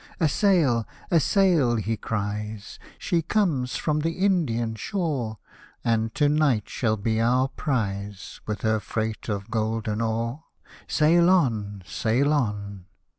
"A sail ! a sail !" he cries ;" She comes from the Indian shore. And to night shall be our prize. With her freight of golden ore : Sail on ! sail on